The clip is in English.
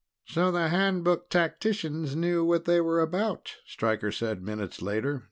"So the Handbook tacticians knew what they were about," Stryker said minutes later.